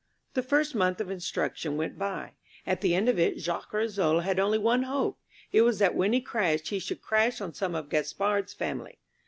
The first month of instruction went by. At the end of it Jacques Rissole had only one hope. It was that when he crashed he should crash on some of Gaspard's family.